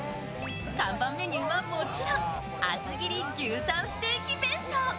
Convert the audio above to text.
看板メニューはもちろん厚切り牛たんステーキ弁当。